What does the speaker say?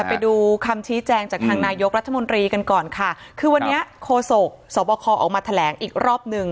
ไปดูคำชี้แจงจากทางนายกรัฐมนตรีกันก่อนค่ะคือวันนี้โคศกสบคออกมาแถลงอีกรอบหนึ่ง